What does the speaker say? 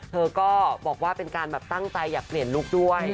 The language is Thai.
เธอก็บอกว่าเป็นการแบบตั้งใจอยากเปลี่ยนลูกด้วย